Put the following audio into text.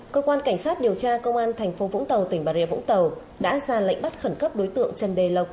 cơ quan cảnh sát điều tra công an thành phố vũng tàu tỉnh bà rịa vũng tàu đã ra lệnh bắt khẩn cấp đối tượng trần đề lộc